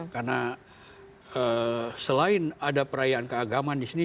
karena selain ada perayaan keagaman di sini